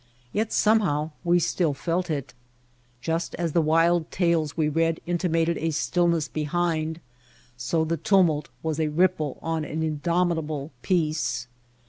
Yet, somehow, we still felt it. Just as the wild tales we read intimated a stillness behind, so the tumult was a ripple on indomitable peace.